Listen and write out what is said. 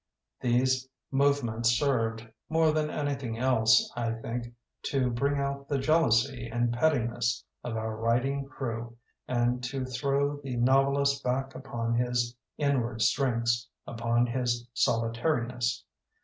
These movements served, more than anything else, I think, to bring out the jealousy and pettiness of our writing crew and to throw the novelist back upon his inward strengths, upon his solitariness.